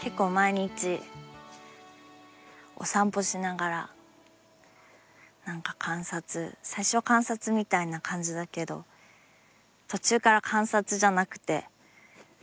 結構毎日お散歩しながら何か観察最初は観察みたいな感じだけど途中から観察じゃなくて描きたいもの描くみたいになって。